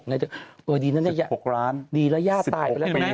เอออืม๑๖ล้านไงดีแล้วย่าตายไปแล้วดีไหม